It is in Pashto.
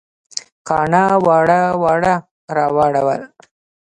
کاڼه واړه اوړه راوړل